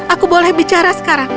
aku boleh bicara sekarang